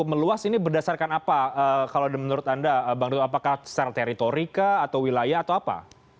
meluas ini berdasarkan apa kalau menurut anda bang duto apakah secara teritorika atau wilayah atau apa